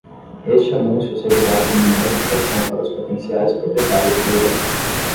Este anúncio servirá como uma notificação para os potenciais proprietários do leilão.